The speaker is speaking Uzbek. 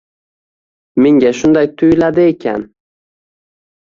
Menga shunday tuyuladi ekan.